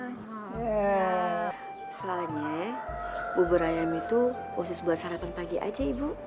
soalnya bubur ayam itu khusus buat sarapan pagi aja ibu